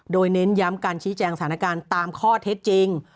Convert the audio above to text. โดยเน้นย้ำการชี้แจงสถานการณ์ตามข้อเท็จจริง